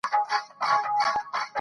تاریخ د خپل ولس د وده لامل دی.